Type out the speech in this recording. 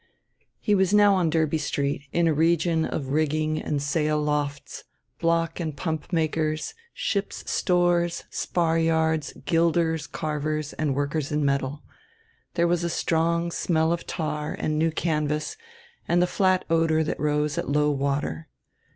He was now on Derby Street, in a region of rigging and sail lofts, block and pump makers, ships' stores, spar yards, gilders, carvers and workers in metal. There was a strong smell of tar and new canvas and the flat odor that rose at low water.